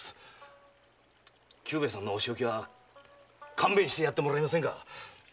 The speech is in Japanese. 久兵衛さんのお仕置きは勘弁してやってもらえませんか。